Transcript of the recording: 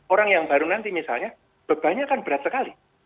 orang yang baru nanti misalnya bebannya akan berat sekali